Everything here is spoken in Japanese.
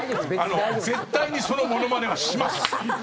絶対にそのものまねはします。